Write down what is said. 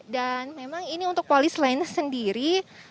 dan memang ini untuk polis lainnya sendiri